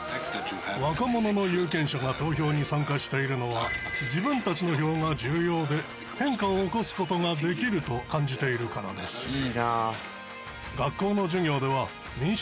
若者の有権者が投票に参加しているのは自分たちの票が重要で変化を起こすことができると感じているからです。